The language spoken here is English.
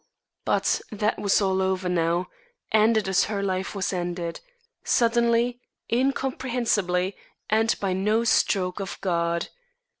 But that was all over now ended as her life was ended: suddenly, incomprehensibly, and by no stroke of God.